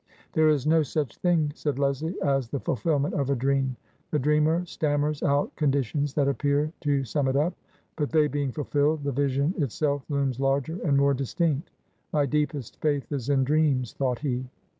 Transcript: " There is no such thing," said Leslie, " as the fulfil ment of a dream. The dreamer stammers out conditions that appear to sum it up, but, they being fulfilled, the vision itself looms larger and more distinct. My deepest faith is in dreams," thought he.